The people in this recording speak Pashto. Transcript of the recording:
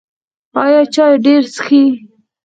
ایا چای ډیر څښئ؟